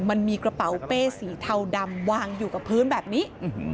มันมีกระเป๋าเป้สีเทาดำวางอยู่กับพื้นแบบนี้